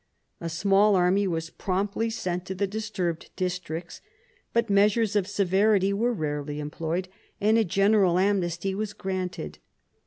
A small army was promptly sent to the disturbed districts, but measures of severity were rarely employed, and a general amnesty was granted.